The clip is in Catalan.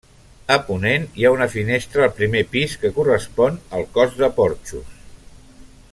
A ponent hi ha una finestra al primer pis, que correspon al cos de porxos.